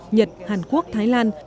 nhật hàn quốc thái lan